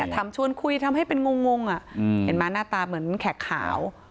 ทำชวนคุยทำให้มันงรงน่ะเห็นมั้ยหน้าตาเหมือนแขกขาว